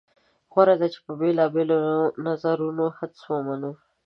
غوره ده چې موږ بېلابېل نظریاتي حدس ومنو.